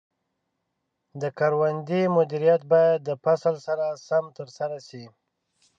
د کروندې مدیریت باید د فصل سره سم ترسره شي.